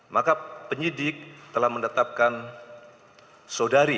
maka penyidik telah menetapkan sodari pc